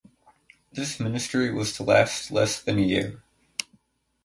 This ministry was to last less than a year.